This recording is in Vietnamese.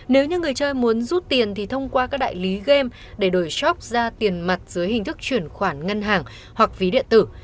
nếu như người chơi muốn rút tiền thì thông qua các đại lý game để đổi shop ra tiền mặt dưới hình thức chuyển khoản ngân hàng hoặc ví điện tử